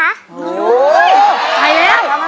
โอ้ยไข่แล้ว